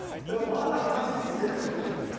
だからまた走り続けちゃうわけよ。